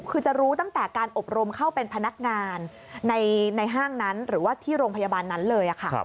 คือจะรู้ตั้งแต่การอบรมเข้าเป็นพนักงานในห้างนั้นหรือว่าที่โรงพยาบาลนั้นเลยค่ะ